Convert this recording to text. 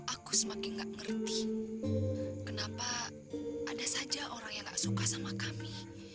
aku semakin gak ngerti kenapa ada saja orang yang gak suka sama kami